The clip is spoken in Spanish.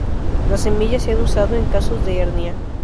Las semillas se han usado en casos de hernia.